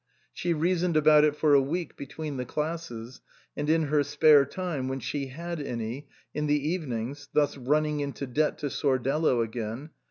She reasoned about it for a week between the classes, and in her spare time (when she had any) in the evenings (thus running into debt to Sordello again).